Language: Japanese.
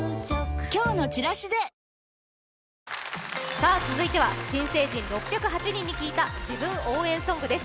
更に続いては新成人６０８人に聞いた自分応援ソングです。